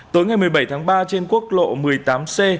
tối ngày một mươi bảy tháng ba trên quốc lộ một mươi tám c